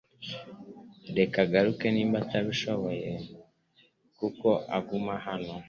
Reka agaruke niba abishoboye kuko uguma hano